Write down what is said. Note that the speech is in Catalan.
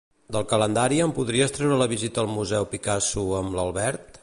Del calendari em podries treure la visita al museu Picasso amb l'Albert?